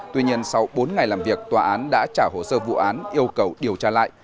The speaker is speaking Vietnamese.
tuy nhiên sau bốn ngày làm việc tòa án đã trả hồ sơ vụ án yêu cầu điều tra lại